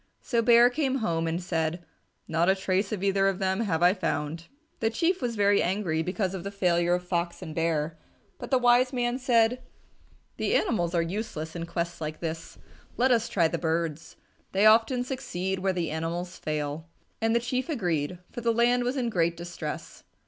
So Bear came home and said, "Not a trace of either of them have I found." The Chief was very angry because of the failure of Fox and Bear, but the wise man said, "The animals are useless in a quest like this. Let us try the birds. They often succeed where the animals fail." And the Chief agreed, for the land was in great distress.